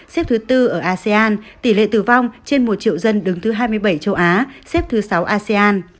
xếp thứ tư ở asean tỷ lệ tử vong trên một triệu dân đứng thứ hai mươi bảy châu á xếp thứ sáu asean